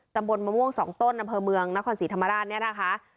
ตำบลมะม่วง๒ต้นอำเภอเมืองนครศรีธรรมราชเนี่ยนะคะ